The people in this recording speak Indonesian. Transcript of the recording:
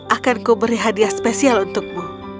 akanku beri hadiah spesial untukmu